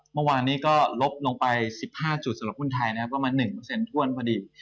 เมื่อวานนี้ก็ลบลงไป๑๕จุดสำหรับหุ้นไทยนะครับประมาณ๑ถ้วนพอดี